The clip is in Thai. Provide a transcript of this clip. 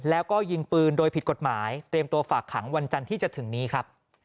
แล้วก็ยิงปืนโดยผิดกฎหมายเตรียมตัวฝากขังวันจันทร์ที่จะถึงนี้ครับ